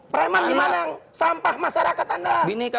preman di mana sampah masyarakat anda binika